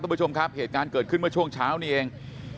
ผู้ชมครับเหตุการณ์เกิดขึ้นเมื่อช่วงเช้านี้เอง